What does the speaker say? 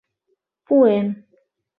Пуэм.